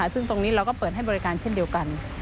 ซึ่งตรงนี้เราก็เปิดให้บริการเช่นเดียวกัน